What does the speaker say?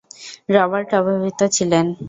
Robert অবিবাহিত ছিলেন।